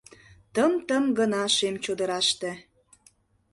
Тым-тым гына шем чодыраште!